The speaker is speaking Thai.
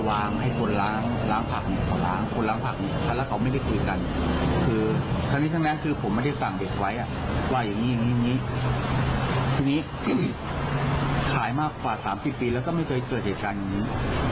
ว่าอย่างนี้อย่างนี้อย่างนี้ทีนี้ขายมากกว่า๓๐ปีแล้วก็ไม่เคยเกิดเหตุการณ์อย่างนี้